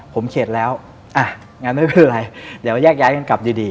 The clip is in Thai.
ผมเขตแล้วงานไม่เป็นไรเดี๋ยวแยกกันกลับดี